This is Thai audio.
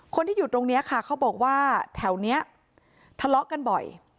คนที่อยู่ตรงนี้ค่ะเขาบอกว่าแถวนี้ทะเลาะกันบ่อย